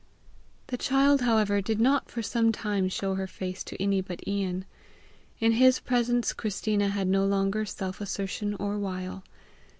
The child, however, did not for some time show her face to any but Ian. In his presence Christina had no longer self assertion or wile.